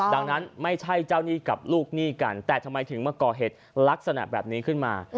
ดังนั้นไม่ใช่เจ้าหนี้กับลูกหนี้กันแต่ทำไมถึงมาก่อเหตุลักษณะแบบนี้ขึ้นมา